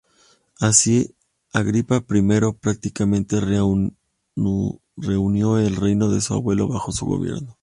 Así Agripa I prácticamente reunió el reino de su abuelo bajo su gobierno.